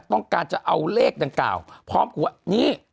ต้องการจะเอาเลขดังกล่าวพร้อมกับว่านี่